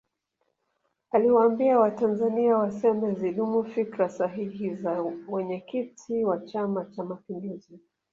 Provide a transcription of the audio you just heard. aliwaambia watanzania waseme zidumu fikra sahihi za mwenyekiti wa chama cha mapinduzi